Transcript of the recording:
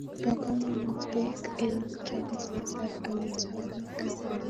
Bo komonut Bek eng chobisietab amitwogik